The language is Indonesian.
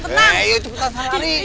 cepetan saya lari